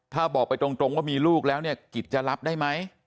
ถ้าบอกไปตรงว่ามีลูกแล้วเนี่ยกิจจะรับได้ไหม